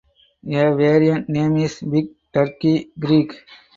A variant name is "Big Turkey Creek".